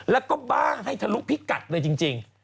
แล้วก็บ้าให้ทะลุพิกัดเลยจริง